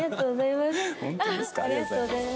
ありがとうございます。